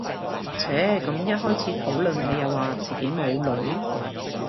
唓咁一開始討論你又話自己冇女